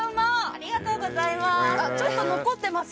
ありがとうございます。